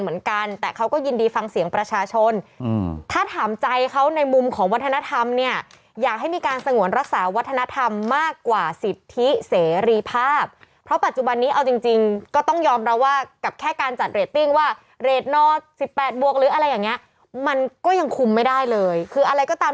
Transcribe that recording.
เหมือนกันแต่เขาก็ยินดีฟังเสียงประชาชนถ้าถามใจเขาในมุมของวัฒนธรรมเนี่ยอยากให้มีการสงวนรักษาวัฒนธรรมมากกว่าสิทธิเสรีภาพเพราะปัจจุบันนี้เอาจริงจริงก็ต้องยอมรับว่ากับแค่การจัดเรตติ้งว่าเรทนอร์๑๘บวกหรืออะไรอย่างเงี้ยมันก็ยังคุมไม่ได้เลยคืออะไรก็ตาม